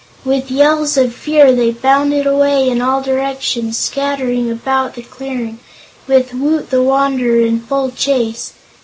With yells of fear they bounded away in all directions, scattering about the clearing, with Woot the Wanderer in full chase.